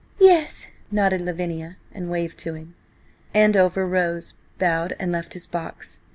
"Yes," nodded Lavinia, and waved to him. Andover rose, bowed, and left his box.